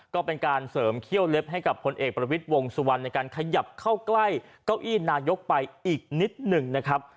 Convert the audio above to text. ก็เป็นการเสริมเขี้ยวเล็บให้กับพลเอกประวิทย์วงสุวรรณในการขยับเข้าใกล้เก้าอี้นายกไปอีกนิดหนึ่งนะครับ